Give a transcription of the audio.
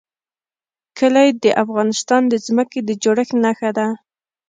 کلي د افغانستان د ځمکې د جوړښت نښه ده.